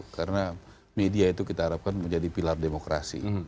karena media itu kita harapkan menjadi pilar demokrasi